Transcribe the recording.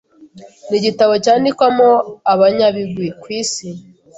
ni igitabo cyandikwamo abanyabigwi ku Isi,